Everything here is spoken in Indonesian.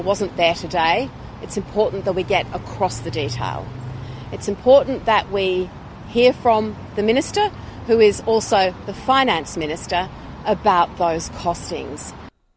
penting kita mendengar dari pemerintah yang juga pemerintah keuangan tentang kos kos itu